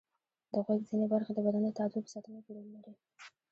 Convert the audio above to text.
د غوږ ځینې برخې د بدن د تعادل په ساتنه کې رول لري.